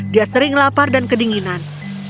dia sering lapar dan kedinginan